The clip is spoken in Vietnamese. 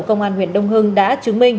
công an huyện đông hưng đã chứng minh